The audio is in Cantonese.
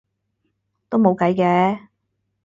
都冇計嘅